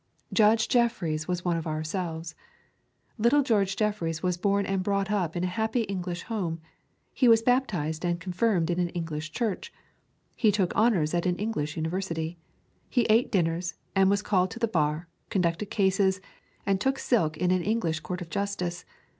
Judge Jeffreys was one of ourselves. Little George Jeffreys was born and brought up in a happy English home. He was baptised and confirmed in an English church. He took honours in an English university. He ate dinners, was called to the bar, conducted cases, and took silk in an English court of justice.